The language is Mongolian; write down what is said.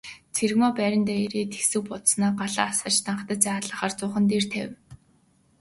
Цэрэгмаа байрандаа ирээд хэсэг болсноо галаа асааж данхтай цай халаахаар зуухан дээрээ тавив.